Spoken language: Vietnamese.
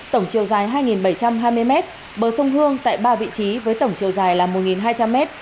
tổng chiều dài hai bảy trăm hai mươi m bờ sông hương tại ba vị trí với tổng chiều dài là một hai trăm linh m